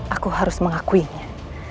aku harus mengakuinya